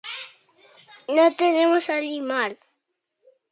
no queremos salir mal